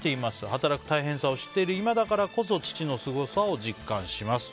働く大変さを知っている今だからこそ父のすごさを実感します。